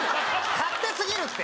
勝手すぎるって！